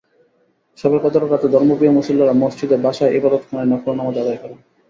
শবে কদরের রাতে ধর্মপ্রিয় মুসল্লিরা মসজিদে, বাসায়, ইবাদতখানায় নফল নামাজ আদায় করেন।